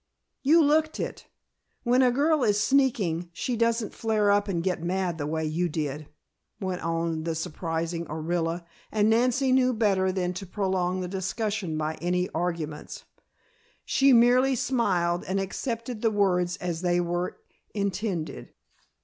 "You looked it. When a girl is sneaking she doesn't flare up and get mad the way you did," went on the surprising Orilla and Nancy knew better than to prolong the discussion by any arguments. She merely smiled and accepted the words as they were intended.